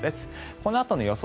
このあとの予想